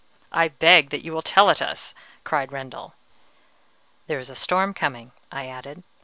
"I beg that you will tell it us," cried Rendel. "There is a storm coming," I added.